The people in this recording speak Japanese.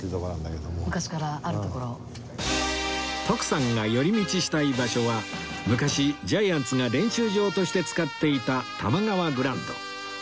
徳さんが寄り道したい場所は昔ジャイアンツが練習場として使っていた多摩川グラウンド